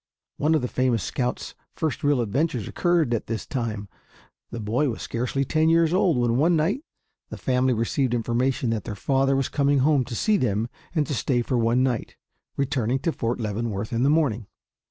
One of the famous scout's first real adventures occurred at this time. The boy was scarcely ten years old when one night the family received information that their father was coming home to see them and to stay for one night, returning to Fort Leavenworth in the morning.